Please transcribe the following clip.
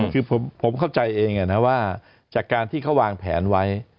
คือผมเข้าใจเองนะว่าจากการที่เขาวางแผนไว้